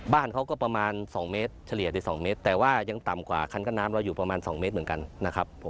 บ้านเขาก็ประมาณ๒เมตรแต่ว่ายังต่ำกว่าคันก็น้ำเราอยู่ประมาณ๒เมตรเหมือนกัน